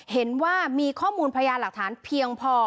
เห็นว่ามีข้อมูลพยานหลักฐานเพียงพอ